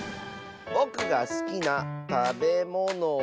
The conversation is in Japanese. ぼくがすきなたべものは。